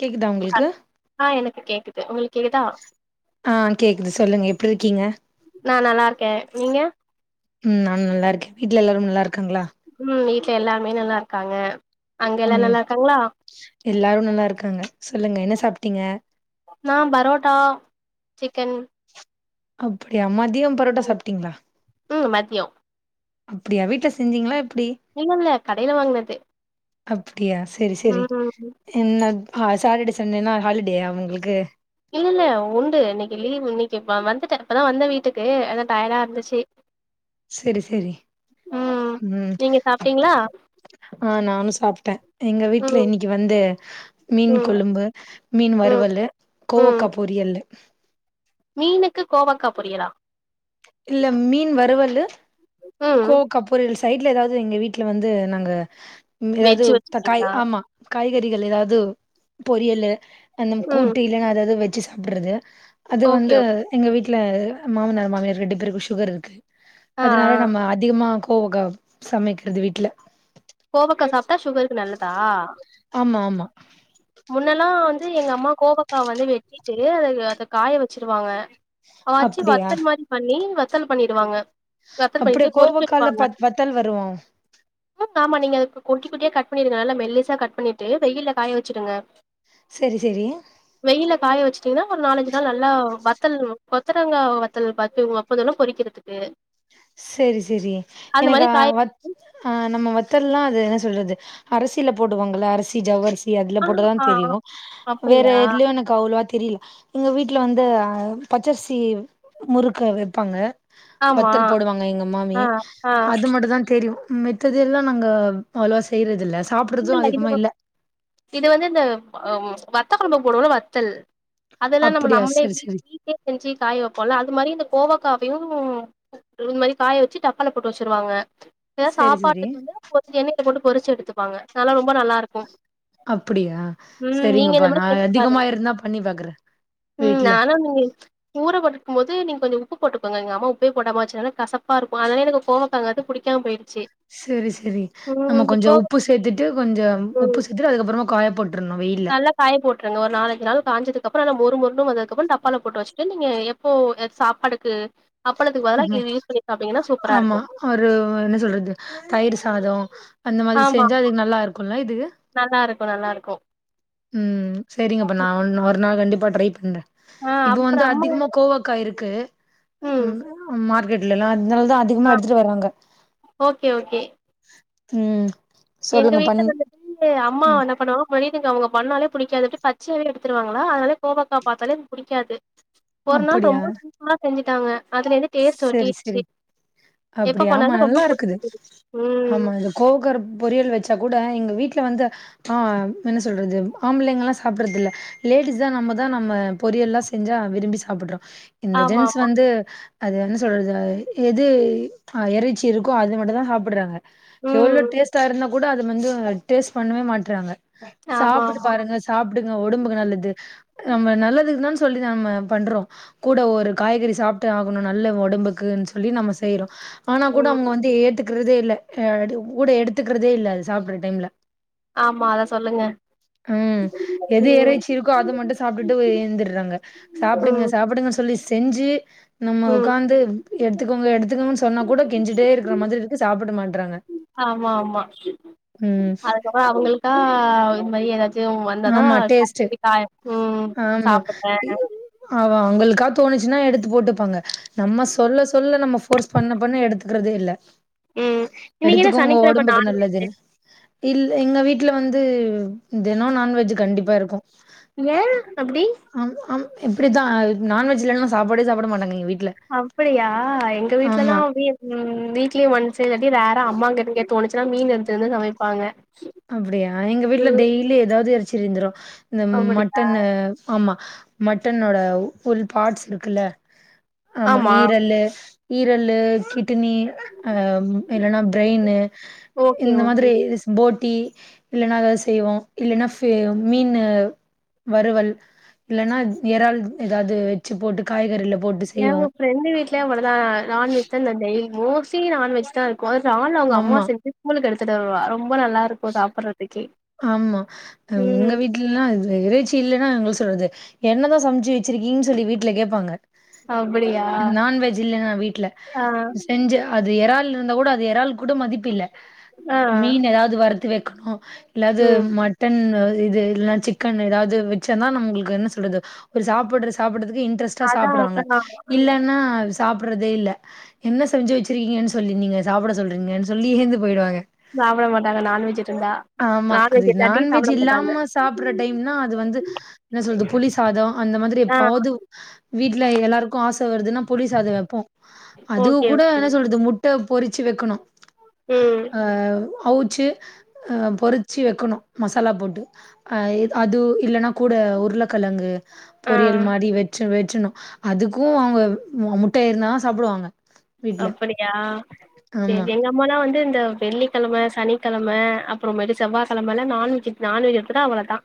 கேக்குதா உங்களுக்கு ஆ எனக்கு கேக்குது உங்களுக் ஆ கேக்குது சொல்லுங்க எப்டி இருக்கீங்க? நா நல்லா இருக்கே நீங்க ம் நா நல்லா இருக்க வீட்ல எல்லாரு நல்லா இருக் ம் வீட்ல எல்லாமே நல்லாருக்காங்க. ம் எல்லாரு நல்லா இருக்காங்க சொல்லுங்க என்ன சாப்பிட்டீங்க? நா பரோட்டா சிக்கன் அப்டியா மதியம் பொரோட்டா ம் சாப்ட்டீங்ளா? ம் மதியோ அப்டியா வீட்ல செஞ்சீங்களா எப் ப்டி இல்ல இல்ல கடையில வாங்குனது அப்டியா செரி செரி ம் என்னக் ஆ சாட்டர்டே சண்டேன்னா ஹாலிடேயா உங்ளுக்கு இல்லல்ல உண்டு இன்னைக்கு லீவ் இன்னைக்கு இப்ப வந்துட்டே இப்பதா வந்தே வீட்டுக்கு அதா டயடா இருந்துச்சு. செரி செரி ம் நீங்க அப் சாப்ட்டீங்களா ஆ நானு சாப்ட்ட எங்க வீட்ல ம் இன்னைக்கு வந்து மீன் ம் கொழும்பு மீன் ம் வறுவலு ம் கோவக்கா பொரி யல்லு மீனுக்கு கோவக்கா பொரியலா இல்ல மீன் வறுவலு ம் கோவக்கா பொரியலு சைட் ட்ல எதாவ்து எங்க வீட்ல வந்து நாங்க ம் எதாவ்து வெஜ் த காய் வச்சிருக்கீங்களா ஆமா காய்கறிகள் எதாவ்து பொரியலு அந்த ம் கூட்டு இல்லன்னா எதாவ்து வெஜ்ஜு சாப்புறது அது ஓகே வந்து ஓகே எங்க வீட்ல மாமனார் மாமியார் ரெண்டு பேருக்கு சுகர் இருக்கு. ஆ அதனால ஆ நம்ம அதிகமா கோவக்கா சமைக்கறது வீட்ல கோவக்கா சாப்ட்டா சுகருக்கு நல்லதா? ஆமா ஆமா முன்னல்லா வந்து எங்க அம்மா கோவக் கா வந்து வெட்டிட்டு அத எ க காய வச்சிருவாங்க அவவச்சு அப்டியா வத்தல் மாரி பண்ணி வத் த்தல் பண்ணிடுவாங்க வத்தல் அப்டியா பண்ணிட்டு கோவக்கால பொறிச்செடுப்பாங்க ப வத்தல் வருவோ ஆமா நீங்க அத கு குட்டி குட்டியா கட் பண்ணிருங்க நல்லா மெல்லிசா கட் பண்ணிட்டு வெயில்ல காய வச்சிடுங்க. சரி சரி வெயில்ல காய வச் சிங்கன்னா ஒரு நாலஞ்சு நாள் நல்லா வத்தல் கொத்தவ்ரங்கா வத்தல் பாத்தீங்க அப்பதான பொரிக்கிறதுக்கு செரி செரி எனக்கு ஆ காய வத் ஆ நம்ம வத் தெல்லா அது என்ன சொல்றது அரிசியில போடுவாங்கள அரிசி ஜவ் அரி அதுல ஆ போட்டுதா ஆ தெரியு வேற அப்டியா எதுலயு எனக்கு அவ்ளோவா தெரியல எங்க வீட்டுல வந்து பச்சரிசி முறுக்க வெப்பாங்க ஆமா போடுவாங்க எங்க மாமி ஆ ஆ அது மட்டு தா தெரியு மித்தது எல்லா நாங்க அவ்ளோவா செய்றது இல்ல சாப்பிடுறது இல்லல்ல இது அதிகமா வந் இல்ல இது வந்து இந்த வத்த கொழம்பு போடு வோல வத்தல் அதெல்லா நம்ம அப்படியா நம்மளே சரி சரி வீட்லயே செஞ்சு காய வெப்போல அது மாரி இந்த கோவக்காவயு இது மாரி காய வெச்சு டப்பால போட்டு வெச்சுருவாங்க எதா சரி சரி சாப்பாட்டுக்கு வந்து கொஞ்ச எண்ணெய்ல போட்டு பொறுச்சு எடுத்துப்பாங்க நல்லா ரொம் ரொம்ப அப்டியா ம் நீங்க செரிங்கப்பா இந்த மாரி நா செஞ்சு பாருங்க அதிகமா இருந்தா பண்ணி பாக்குற ம் நானு இங்க ஊர போட் க்கு போது நீங் கொஞ்ச உப்பு போட்டுக் கோங்க எங்க அம்மா உப்பே போடாம வெச்சனால கசப்பாருக்கு அதனாலே எனக்கு கோவாக்காங்கரது புடிக்காம போயி சேரி சேரி நம்ம கொஞ்சோ கோவக்காய் உப்பு சேத்துட்டு கொஞ்சோ உப்பு சேத்துட்டு அதுக்கப்பறமா காய போட் நல்லா காய போட்ருங்க ஒரு நாலஞ்சு நாள் காஞ்சதுக் அப்பறோ அந்த மொ மொரு மொருன்னு வந்ததுக்கப்றோ டப்பால போட்டு வெச்சுட்டு நீங்க எப்போ சாப்பாடுக்கு அப்பளத்துக்கு பதுல ஆமா இது யூஸ் பண்ணி சா ஆமா ஒரு என்ன சொல்றது தயிர் சாதோ அந்த மாரி செஞ்சா அதுக்கு நல்லா இருக்கும்ல இது நல்லாருக்கு நல்லாருக்கு ம் சேரிங்க அப்ப நா ஒ ஒரு நாள் கண்டிப்பா ட்ரை பண்ற ஆ இப்போ அப்புறோ வந்து அம்மா அதிகமா கோவாக்காய் இருக்கு ம் மார்க்கெட்லல்லா அதனாலதா அதிகமா ஆ எடுத்துட்டு வராங்க ஓகே ஓகே ம் எங்க சொல்லுங்க வீட்ல பண் வந்துட்டு அம்மா ம் என்ன பண்ணுவாங்க [unintelligible] அவுங்க பண்ணாலே புடிக்காது அப்டியே பச்சையாவே எடுத்துருவாங்களா அதனால கோவக்கா பாத்தாலே புடிக்காது ஒரு நாள் அப்படியா ரொம்ப சூப்பரா செஞ்சுட்டாங்க அதுல இருந்து டேஸ்ட் ஒட்டிருச்சு அப்டி ஆமா நல்லா இருக்குது ம் ஆமா அ கோவக்கா பொரியல் வச் த கூட எங்க வீட்ல வந்து அ என்ன சொல்றது ஆம்பளைங்க எல்லா சாப்படுறதுல்ல லேடிஸ் தா நம் நம்ம தா நம்ம பொரியல்லா செஞ்சா விரும்பி சாப்டுறோ இந்த ஆமா ஜென்ஸ் ஆமா வந்து அது என்ன சொல்றது எது எறைச்சி இருக்கோ அது மட்டுதா சாப்டுறாங்க எவ்ளோ ம் டேஸ்ட்டா இருந்தா கூட அது வந்து டேஸ்ட் பண்ணவே மாட்றாங்க ஆமா சாப்புட்டு ஆமா பாருங்க சாப்டுங்க ஒடம்புக்கு நல்லது நம்ம நல்லதுக்கு தா சொல்லி நம்ம பண்றோ கூட ஒரு காய்கறி சாப்ட்டு ஆகணு நல்ல ஒடம்புக்குன்னு சொல்லி நம்ம செய்றோ ஆனா கூட ம் அவங்க வந்து ஏத்துக்கறதே இல்ல கூட எடுத்துக்கறதே இல்ல அது சாப்டுற டைம்ல ஆமா அத சொல்லுங்க ம் எது ம் எறைச்சி இருக்கோ அத மட்டு சாப்ட்டுட்டு ஏந்துறாங்க சாப்டுங்க ம் சாப்டுங்க சொல்லி செஞ்சு நம்ம ம் உக்காந்து எடுத்துக்கோங்க எடுத்துக்கோங்கன் சொன்னா கூட கெஞ்சிட்டே இருக்கிற மாரி இருக்கு சாப்பிட மாட்றாங்க ஆமா ஆமா ம் அதுக்கப்றோ அவங்களுக்கா இது மாரி ஏதாச்சு வந்தாதா ஆமா டேஸ்ட் காய் ம் ஆமா சாப்புட்றே அ அவங்களுக்கா தோணுச்சுன்னா எடுத்து போட்டுப்பாங்க நம்ம சொல்ல சொல்ல நம்ம ஃபோர்ஸ் பண்ண பண்ண எடு க்கறதே இல்ல ம் இன்னைக்கு என்ன எடுத்துக்கோங்க சனிக்கிழம ஒடம்புக்கு நான் நல்லதுன் இல்ல எங்க வீட்ல வந்து தினோ நான் வெஜ்ஜு கண்டிப்பா இருக்கு ஏ அப்டி அ எப்டிதா நான்வெஜ் இல்லன்னா சாப்பாடே சாப்ட மாட்டாங்க எங்க வீ அப்டியா எங்க வீட்ல எல்லா அப்டியே ம் வீக்லி ஒன்ஸு இல்லாட்டி ரேறா அம்மாங்க தோணுச்சுன்னா மீன் எடுத்துட்வந்து சமைப்பாங்க அப்டியா எங்க வீட்ல ம் டெய்லி எதாவது எறச்சுருந்துரு இந்த அப்படியா மட்டன்னு ஆமா மட்டனோட ஒரு பார்ட்ஸ் இருக்குல்ல ஆமா ஈரல்லு ஈரல்லு கி ட்னி அ இல்லனா பிரெய்ன்னு ஓகே இந்த ஓகே மாதிரி போ டீ இல்லனா எதாது செய்வோ இல்லனா ஃப் மீனு வறுவல் இல்லனா எறால் ஏதாது வச்சு போட்டு காய்கறில போட்டு எங்க செய்வோம். ஃப்ரெண்டு வீ்ட்ல அவ்ளதா நான்வெஜ்தா டெய்லி மோஸ்ட்லி நான்வெஜ்தா இருக்கு ஒரு நாள் அவுங்க அம்மா ஆமா, செஞ்சு ஸ்கூலுக்கு எடுத்துட்டு வருவா ரொம்ப நல்லா இருக்கு சாப்பிடுறத்துக்கே ஆமா எங்க வீட்லலா இறைச்சி இல்லனா என்ன சொல்றது என்னதா சமைச்சு வச்சுருக்கீங்னு சொல்லி வீட்ல கேப்பாங்க அப்படியா நான்வெஜ் இல்லனா வீட்ல ஆ செஞ்சு அது எறால் இருந்தா கூட அது எறால் கூட மதிப்பு இல்ல ஆ மீன் ஏதாது வறுத்து வெக்கணு இல்ல அது ம் மட்டன் இது இல்லனா சிக்கன் ஏதாது வெச்சனா நம்ளுக்கு என்ன சொல்றது ஒரு சாப்புட்ற சாப்புட்றதுக்கு இன்ட்ரெஸ்ட்டா அதா சாப்புடுவாங்க அதா இல்லன்னா சாப்பிட்றதே இல்ல என்ன செஞ்சு வச்சுருக்கீங்கன்னு சொல்லி நீங்க சாப்பிட சொல்றீங்கன்னு சொல்லி எழுந்து போயிடுவாங்க சாப்ட மாட்டாங்க நான்வெஜ் இருந்தா ஆமா அது நான்வெஜ் இல்லாட்டி நான்வெஜ் சாப்ட மாட்டாங்க இல்லாம சாப்புட்ற டைம்னா அது வந்து என்ன சொல்து புளி சாத அந்த மாதிரி ஆ எப்பாது வீட்ல எல்லாருக்கு ஆச வருதுன்னா புளி சாத வப்போ அதுக்கு ஓகே கூட என்ன சொல்றது முட்ட பொறிச்சு வெக்கணு ம் அவுச்சு பொறிச்சு வெக்கணு மசாலா போட்டு அ அது இல்லனா கூட உருளக்கெழங்கு ஆ பொரியல் மாறி வெச்சு வெச்சுணு அதுக்கு அவிங்க முட்ட இருந்தாதா சாப்பிடுவாங்க வீட்ல அப்படியா ஆமா எங்க அம்மாலா வந்து இந்த வெள்ளிக்கெழம சனிக்கெழம அப்புறமேட்டு செவ்வாய்கெழமல்லா நான்வெஜ் நான்வெஜ் எடுத்துட்டா அவ்ளோதா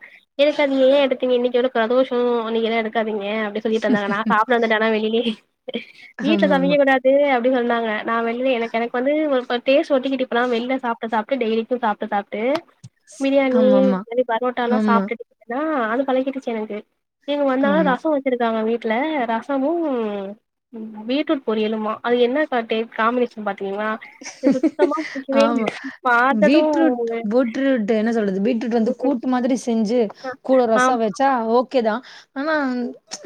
எனக்கது ஏ எடுத்தீங்க இன்னைக்கு வேற ப்ரதோஷோ நீங்களா எடுக்காது ங்க அப்டி சொல்லிட்டு இருந்தாங்க நா சாப்ட வந்துட்டே அதா வெளிலயே வீட்ல ஆமாமா சமைக்கக்கூடாது அப்டினு சொன்னாங்க நா வெளிய எனக்கு எனக்கு வந்து ஒருத்தர் டேஸ்ட் ஒட்டிகிட்டு இப்பலா வெள்ல சாப்ட சாப் டெய்லிக்கும் சாப்ட்டு சாப்ட்டு பிரியாணி ஆமாமா இந்த பரோட்டால்லா ஆமா சாப்பிட் தா அது பழக்குட்ருச்சு எனக்கு நீங்க வந்தா ஆமா ஆமா ரச வச்சிருக்காங்க வீட் ல ரசமு பீட்ரூட் பொரியலுமா அது என்னகாடே காம்பினேஷன் ப ஆமா இல்ல பாத்தது பீட்ரூட் பூட்ரூட்டு என்ன சொல்றது பீட் விட்டுட்டு வந்து கூட்டு மாதிரி செஞ்சு கூட ரச ஆமா வச்சா ஓகேதா ஆனா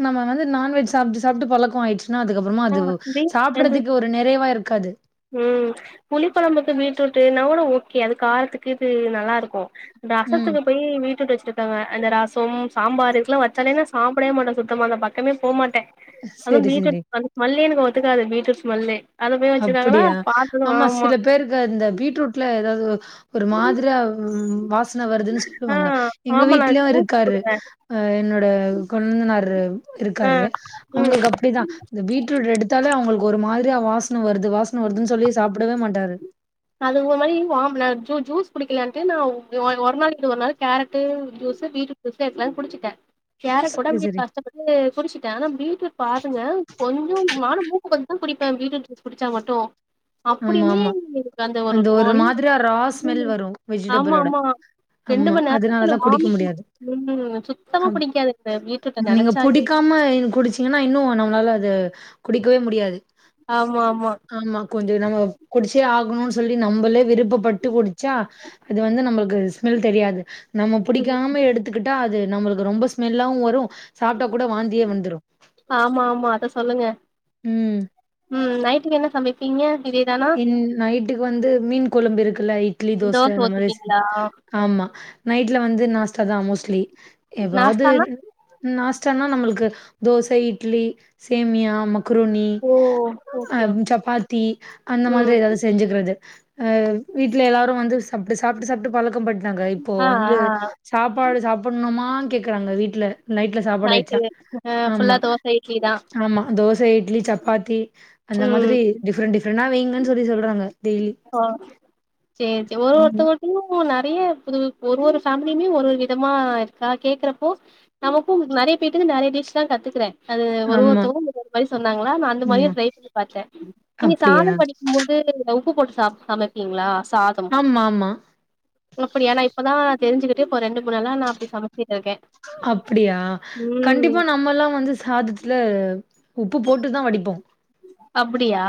நம்ம வந்து நான்வெஜ் சாப்ட்டு சாப்ட்டு பழக்க ஆய்ச் அதுக்கப்றமா அது சாப்புட்றத்துக்கு ஒரு நிறைவா இருக்காது ம் புளிக்கொழம்புக்கு பீட்ரூட்டுனா கூட ஓகே அது காரத்துக்கு இது நல்லாருக்கு ம் ரசத்துக்கு போயி பீட்ரூட்டு வச்சிருக்காங்க அந்த ரசம் சாம்பார் இருக்கெல்லா வச்சாலேன்னா சாப்பிடவே மாட்டே சுத்தமா அந்த பக்கமே போமாட்டே அதுவு சரி சரி பீட்ரூட் அந்த ஸ்மெல்லே எனக்கு ஒத்துக்காது பீட்ரூட் ஸ்மெல்லே அத போய் வச்சிருக்காங்கன்னா அப்புடியா பாத்தது ஆமா சில பேருக்கு அந்த பீட்ரூட்ல எதாது ஒரு மாதிரியா வாச ன வருதுன்னு ஆ சொல்லுவாங்க எங்க ஆமா நா வீட்லயு ஜூஸ் இருக்காரு குடுப்பே அ என்னோட கொலுந்தனாரு ஆ இருக்காரு ம் அவுங்ளுக்கு அப்டிதா இந்த பீட்ரூட் எடுத்தாலே அவுங்ளுக்கு ஒரு மா திரியா வாசன வருது வாசன வருதுன்னு சொல்லியே சாப்பிடவே மாட்டாரு அது ஒரு மாரி வாம்ல ஜூ ஜூஸ் குடிக்கலான்டு நா ஒ ஒரு நாள் விட்டு ஒரு நாள் carrot juice beetroot juice எப்டியோ குடிச்சிட்டே கேரட் கூட சரி, அப்டியே சரி. கஷ்டப்பட்டு குடிச்சிட்டே ஆனா பீட் பாருங்க கொஞ்ச நானு மூக்கு பொத்திதா குடிப்பே பீட்ரூட் ஜூஸ் குடிச்சா மட்டு ஆமா, அப்டியுமே ஆமா. ஒரு அந்த ஒன் மாதிரியா ரா ம் ஸ்மெல் வரும் ஆமா வெஜிடபிளோட. ஆமா ரெண்டு ஆமா. மண்நேரத்துக்கு அதனால நா தான் குடிக்க வாமிட் முடியாது. ம் சுத்தமா புடிக்காது இந்த பீட்ரூட்ட நெனச்சாலே நம்ம இது குடிச்சீங்கனா இன்னு நம்ளால அது குடிக்கவே முடியாது ஆமா ஆமா கொஞ்ச நம்ம குடிச்சே ஆகணும்னு சொல்லி நம்பளே விருப்பப்பட்டு குடுச்சா அது வந்து நம்பளுக்கு ஸ்மெல் தெரியாது நம்ம ம் புடிக்காம எடுத்துக்கிட்டா அது நம்மளுக்கு ரொம்ப ஸ்மெல்லாவு வரு சாப்ட்டா கூட வாந்தியே வந்துரு ஆமா ஆமா அத சொல்லுங்க ம் ம் நைட்டுக்கு என்ன சமைப்பீங்க இதேதானா இன் நைட்டுக்கு வந்து மீன் கொழம்பு இருக் க்குல இட்லி தோச அந்த மாரி செஞ் ஆமா நைட்ல வந்து நாஸ்டா தா மோஸ்ட்லி எப்பாது நாஸ்தானா நாஸ்டானா நம்மளுக்கு தோசை இட்லி சேமியா மக் க்ருனி ஓ ஆ ஓகே ஓகே சப்பாத்தி அந்த மாதிரி ம் எதாவது செஞ்சுக்குறது ஆ வீட்ல எல்லாரு வந்து சாப்டு சாப்ட்டு சாப்ட்டு பழக்கம் படுத் நாங்க இப்போ ஆ வந்து ஆ சாப்பாடு சாப்பணுமான் கேக்குறாங்க வீட்ல நைட்ல சாப்பாடு வச்சா நைட்டு ஆ ஃபுல்லா ஆமா தோச இட்லி தா ஆமா தோசை இட்லி சப் பாத்தி அந்த ம் மாதிரி டிப்ரெண்ட் டிப்ரெண்டா வைங்கன்னு சொல்லி சொல்றாங்க டெய்லி. ஆ சேரி சேர் ஒரு ஒருத் ம். தொவுங்கிட்டையு ந நெறைய புது ஒரு ஒரு ஃபேமிலியுமே ஒரு ஒரு விதமா இருக்கா கேக்குறப்போ நமக்கு நெறையா பேத்துக்கு நெறைய டிஷ்லா கத்துக்குறே அது ஒரு ஆமா, ஒருத்தவங்க ஒரு ஒரு மாரி சொன்னாங்களா நா அந்த மாரியே ஆமா. ட்ரை பண்ணி பாத்தே நீங்க அப்டியா? சாதம் வடிக்கும் போது ஆ உப்பு போட்டு சாப் சமைப்பீங்ளா சாதம் ஆமாமா. னுப்புடியா நா இப்பதா தெரிஞ்சுகிட்டே இப்ப ரெண்டு மூணுநாளா நா அப்டி சமைச்சுட்ருக்கே அப்புடியா கண்டிப்பா நம்மெல்லா வந்து சாதத்துல உப்பு போட்டுதா வடிப்போ அப்டியா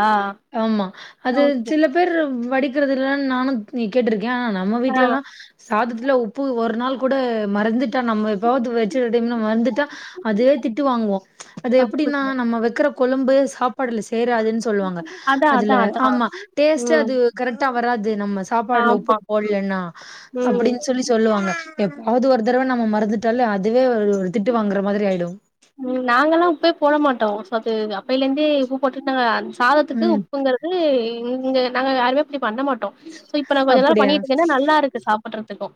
ஆமா அது ஓகே சில பேரு வடிக்கிறதுல்லனு நானு நீ கேட்டிருக்கே யா நம்ம ஆ வீட்லெல்லா சாதத்துல உப்பு ஒரு நாள் கூட மறந்துட் த நம்ம எப்பயாவது வச்ச டைம்ல மறந்துட்டா அதே திட்டு வாங்குவோ அது எப்டின்னா அப்டியா நம்ம வெக்குற கொழம்பு சாப்பாடுல சேராதுன்னு சொல்லுவாங்க அதா அதா அதுல அதா ஆமா டேஸ்டு ம் அது கரெக்ட்டா வராது நம்ம சாப்பாடுல ஆமா உப்புட் போடலென்னா ம் அப்டின்னு சொல்லி சொல்லுவாங்க எப்பாவது ஒரு தடவ நம்ம மறந்துட்டாலே அதுவே ஒரு திட்டு வாங்குற மாதிரி ஆயிடு ம் நாங்கல்லா உப்பே போட மாட்டோ சோத்து அப் அப்பையிலந்தே உப்பு போட்டுட்டு நாங்க அந்த சாதத்துக்கு ம். உப்புங்குறது இங்க நாங்க யாருமே இப்டி பண்ண மாட்டோ ட்டோ சோ இப்ப நா கொஞ்ச நாள் அப்படியா? பண்ணிகிட்டு இருக்கேன்னா நல்லா இருக்கு சாப்புட்றதுக்கு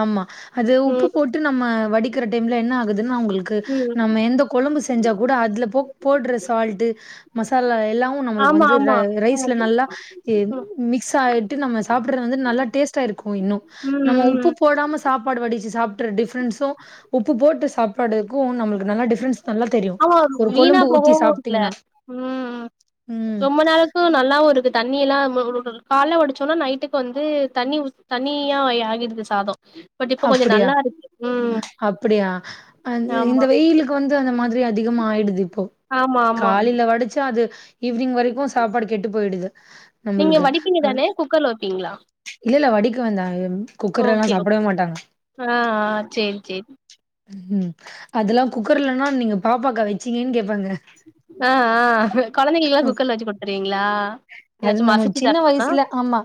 ஆமா அது உப்பு ம் போட்டு நம்ம வடிக்கிற டைம்ல என்ன ஆகுது துனா உங்களுக்கு ம் நம்ம எந்த கொழும்பு செஞ்சா கூட அதுல போ போட்ற சால்ட்டு மசாலா எல் எல்லாமு நம்மளுக்கு ஆமா வந்து ஆமா ரை ரைஸ்ல நல்லா இ ம் மிக்ஸ் ஆய்ட்டு நம்ம சாப்புட்றது வந்து நல்லா டேஸ்ட் டா இருக்கு இன்னு ம் நம்ம உப் ம் ப்பு போடாம சாப்பாடு வடிச்சு சாப்ட்ற டிஃப்ரன்ஸ்ஸு உப்பு போட்டு சாப்பாடுக்கும் நம்மளுக்கு நல்லா டிஃப்ரன்ஸ் ஆமா வீணா போகவு இல்ல சாப்ட்டீங்கன்னா. ம் ம் ம். ரொம்ப நாளுக்கு நல்லாவு இருக்குது தண்ணியெல்லா [unintelligible] கால்ல வடிச்சோனா நைட்டுக்கு வந்து தண்ணி ஊத் தண்ணியா ஆயி ஆகிடுது சாதோ பட் இப்போ கொஞ்சோ அப்புடியா நல்லா இருக்கு ம் அப்புடியா அ இந் இந்த ஆமா வெயிலுக்கு வந்து அந்த மாதிரி ரி அதிகமா ஆயிடுது இப் ஆமா ஆமா காலையில வடுச்சா அது ஈவி்னிங் வரைக்கு சாப்பாடு கெட்டு போயிடுது நீங்க நம்மளுக்கு வடிப்பீங்க ஆ தானே குக்கர்ல வப்பிங் இல்ல இல்ல வடிக்க வந்தா ம் குக்கர்லெல்லா ஓகே ஓகே சாப்புடவே மாட் ஆ ஆ சேரி சேரி ம் அதெல்லா குக்கர்லென்னா நீங்க பாப்பாக்கா வச்சீங்கன்னு கேப்பாங்க ஆ ஆ கொழந்தைங்களுக்கெல்லா குக்கர்ல வச்சு குடுத்துருவீங்ளா அது நம்ம சின்ன வயசுல ஆமா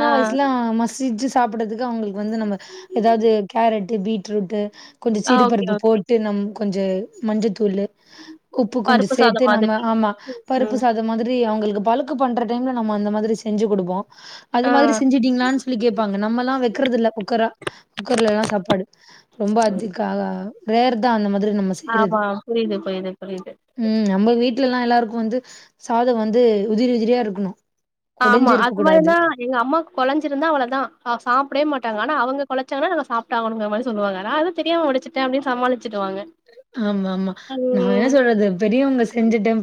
ஆ வயசுல மசிச்சு சாப் புடுறதுக்கு அவுங்களுக்கு வந்து நம்ம எதாவது கேரட்டு பீட்ரூட்டு் கொஞ்ச ஆ ஓகே சிறுபருப்பு ஓகே போட்டு நம் கொஞ்ச மஞ்சத்தூளு உப்பு கொஞ்ச பருப்பு சாதோ சேத்து நம்ம மாதிரி ஆமா பருப்பு ம் சாதம் மாதிரி அவுங்களுக்கு பழக்கு பண்ற ந்த டைம்ல நம்ம அந்த மாதிரி செஞ்சு குடுப்போ அது ஆ மாதிரி செஞ்சுட்டீங்களான்னு சொல்லி கேப்பாங்க நம்மல்லா வெக்குறது இல்ல குக்கரா குக்கர்லெல்லா சாப்பாடு ரொம்ப அதுக்காக ரேர் தா அந்த மாரி நம்ம செய்றது ஆமா புரியுது புரியுது புரியுது ம் நம்ம வீட் வீட்லலா எல்லாருக்கு வந்து சாதம் வந்து உதிரி உதிரியா இருக்கணு ஆமா கொடஞ்சு இருக்க அது கூடாது மாரினா எங்க அம்மாக்கு கொலைஞ்சிருந்தா அவ்ளதா சாப்டவே மாட்டாங்க ஆனா அவங்க கொலைச்சாங்கனா நாங்க சாப்ட்டு ஆவனும்னுகிற மாரி சொல்லுவங்க நா அதா தெரியாம வடுச்சிட்டே அப்டினு சமாளி ஆமா ஆமா நா என்ன சொல்றது பெரியவங்க செஞ்சுட்டே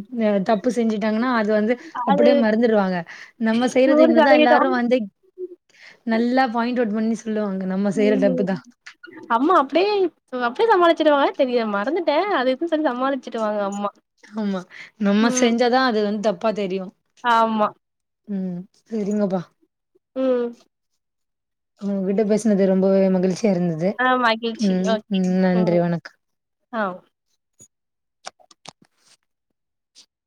தப்பு செஞ்சுட்டாங்கன்னா அது அது வந்து அது அப்படியே மறைஞ்சுடுவாங்க நம்ம செய்றது நூறு இம்னுதா எல்லாரு சதவீதம் வந்து நல்லா பாயிண்ட் அவுட் பண்ணி சொல்லுவாங்க நம்ம செய்யற தப்பு ம் அம்மா அப்டியே த்து சமாளிச்சிட்டுவா தெரிய மறந்துட்டே அது இதுன்ன சொல்லி சமாளிச்சுடுவாங்க அம்மா ஆமா நம்ம ம் செஞ்சாதா அது வந்து தப்பா தெரியு ஆமா ம் சரிங்கப்பா ம் உங்கிட்ட பேசுனது ரொம்பவே மகிழ்ச்சி இருந்தது ஆ மகிழ்ச்சி ம் ம் நன்றி வணக்கம் அ வ்